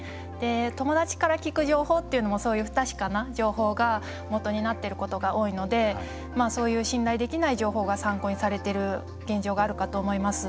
友達から聞く情報というのも不確かな情報が元になっていることが多いので信頼できない情報が参考にされてる現状があるかと思います。